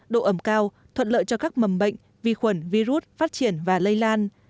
độ ẩm cao thuận lợi cho các mầm bệnh vi khuẩn virus phát triển và lây lan